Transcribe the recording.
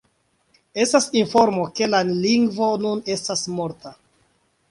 Estas informo ke la lingvo nun estas morta.